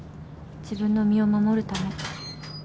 自分の身を守るため。